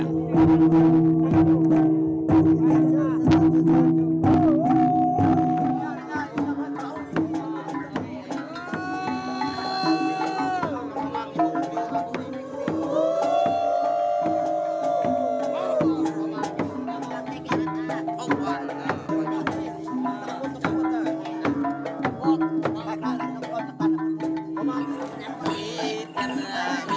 sebagai penghormatan kepada nenek moya